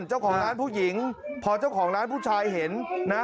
เจ้าของร้านผู้หญิงพอเจ้าของร้านผู้ชายเห็นนะ